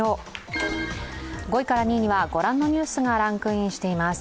５位から２位には、ご覧のニュースがランクインしています。